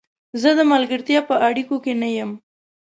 زه د ملګرتیا په اړیکو کې نه یم.